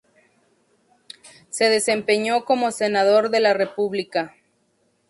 Se desempeñó como senador de la República.